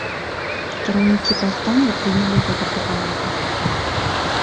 Кіраўнікі паўстання прынялі гэту прапанову.